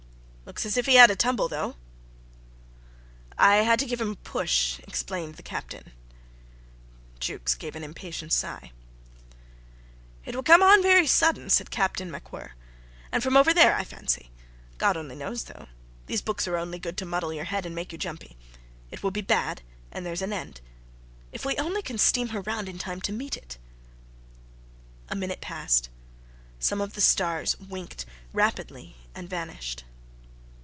"Looks as if he had a tumble, though." "I had to give him a push," explained the Captain. Jukes gave an impatient sigh. "It will come very sudden," said Captain MacWhirr, "and from over there, I fancy. God only knows though. These books are only good to muddle your head and make you jumpy. It will be bad, and there's an end. If we only can steam her round in time to meet it. ..." A minute passed. Some of the stars winked rapidly and vanished.